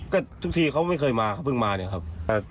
ก็ทุกทีเขาไม่เคยมาเขาเพิ่งมาเนี่ยครับ